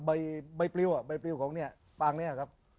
ใบปลิวอ่ะใบปริวของเนี่ยปางเนี่ยครับ